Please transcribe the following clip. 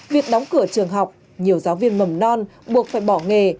việc đóng cửa trường học nhiều giáo viên mầm non buộc phải bỏ nghề